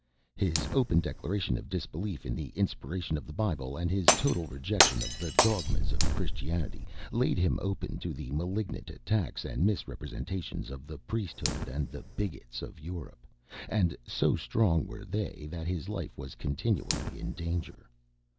His open declaration of disbelief in the inspiration of the Bible, and his total rejection of the dogmas of Christianity, laid him open to the malignant attacks and misrepresentations of the priesthood and the bigots of Europe; and so strong were they, that his life was continually in danger.